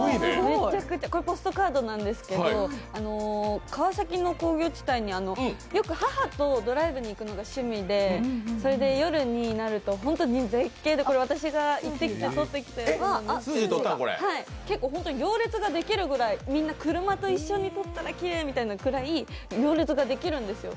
これポストカードなんですけど、川崎の工業地帯によく母とドライブに行くのが趣味で、夜になると本当に絶景で、これは私が行って撮ってきたやつなんですけど、結構本当に行列ができるくらい、みんな車と一緒に撮ったらいいっていうくらい行列ができるんですよ。